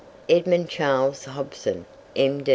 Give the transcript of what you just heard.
"Edmund Charles Hobson, M.